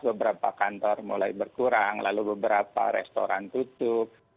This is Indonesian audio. beberapa kantor mulai berkurang lalu beberapa restoran tutup